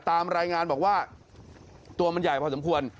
ตามรายงานบอกว่าตัวมันใหญ่พอสมควร